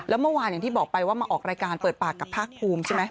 แล้วเมื่อวานอย่างที่บอกไปว่ามาออกรายการเปิดปากกับภาคภูมิใช่ไหม